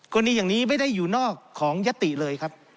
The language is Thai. กรณีอย่างนี้ไม่ได้อยู่นอกของยติเลยครับ